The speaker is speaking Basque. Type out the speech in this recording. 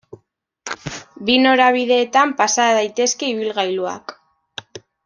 Bi norabideetan pasa daitezke ibilgailuak.